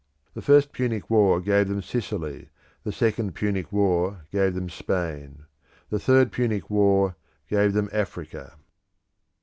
The first Punic War gave them Sicily, the second Punic War gave them Spain, the third Punic War gave them Africa.